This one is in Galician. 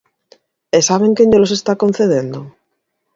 ¿E saben quen llelos está concedendo?